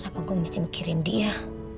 apa gue mesti mikirin dia